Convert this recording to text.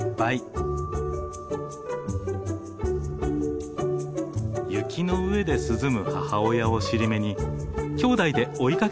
雪の上で涼む母親を尻目にきょうだいで追いかけっこを始めました。